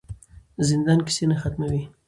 زندان کیسې نه ختموي.